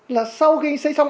là sau khi xấy xong